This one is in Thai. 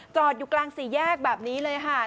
อยู่กลางสี่แยกแบบนี้เลยค่ะ